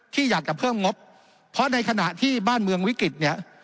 ที่อยากจะเพิ่มงบเพราะในขณะที่บ้านเมืองวิกฤตเนี่ย